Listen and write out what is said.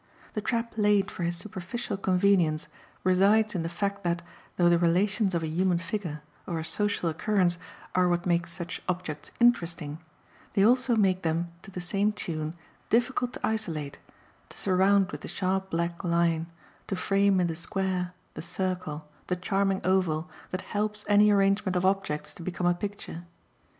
The trap laid for his superficial convenience resides in the fact that, though the relations of a human figure or a social occurrence are what make such objects interesting, they also make them, to the same tune, difficult to isolate, to surround with the sharp black line, to frame in the square, the circle, the charming oval, that helps any arrangement of objects to become a picture.